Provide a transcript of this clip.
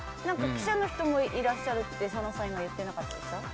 記者の人もいらっしゃるって佐野さん、言ってませんでした？